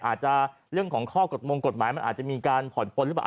อาจจะเรื่องของข้อกฎมงกฎหมายมันอาจจะมีการผ่อนปนหรือเปล่า